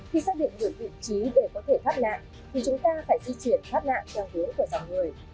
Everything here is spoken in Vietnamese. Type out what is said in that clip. khi xác định được vị trí để có thể thoát nạn thì chúng ta phải di chuyển thoát nạn theo hướng của dòng người